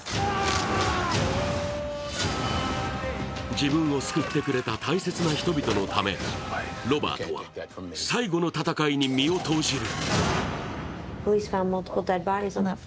自分を救ってくれた大切な人々のためロバートは最後の戦いに身を投じる。